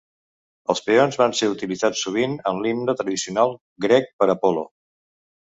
Els peons van ser utilitzats sovint en l'himne tradicional grec per Apol·lo.